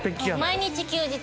毎日休日。